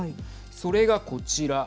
それがこちら。